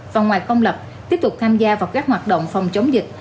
và ngoài công lập tiếp tục tham gia vào các hoạt động phòng chống dịch